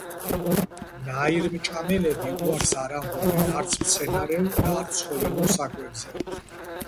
ნაირმჭამელები უარს არ ამბობენ არც მცენარეულ და არც ცხოველურ საკვებზე